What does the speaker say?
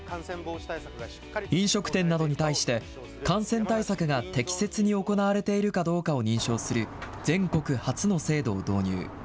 飲食店などに対して、感染対策が適切に行われているかどうかを認証する、全国初の制度を導入。